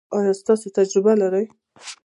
ایا تاسو تجربه لرئ؟